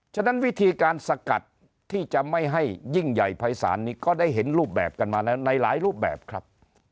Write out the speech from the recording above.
ฉะนั้นวิธีการสกัดที่จะไม่ให้ยิ่งใหญ่ภัยศาลนี้ก็ได้เห็นรูปแบบกันมาแล้วในหลายรูปแบบครับ